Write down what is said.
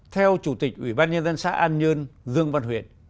theo chủ tịch ủy ban nhân dân xã an nhơn